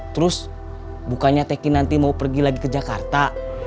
terus bukannya teki nanti mau pergi lagi ke jakarta